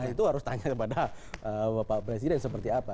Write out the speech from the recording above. nah itu harus ditanya kepada bapak presiden seperti apa